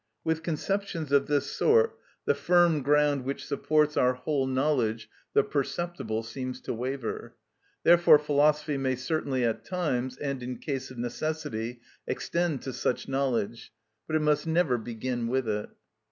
With conceptions of this sort the firm ground which supports our whole knowledge, the perceptible, seems to waver. Therefore philosophy may certainly at times, and in case of necessity, extend to such knowledge, but it must never begin with it.